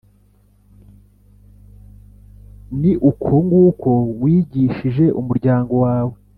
Ni uko nguko wigishije umuryango wawe,